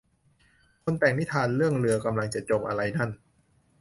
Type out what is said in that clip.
คนแต่งนิทานเรื่อง เรือกำลังจะจม อะไรนั่น